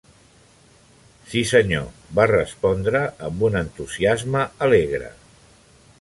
Sí, senyor, va respondre, amb un entusiasme alegre.